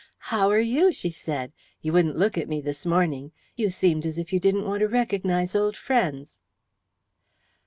"How are you?" she said. "You wouldn't look at me this morning. You seemed as if you didn't want to recognize old friends."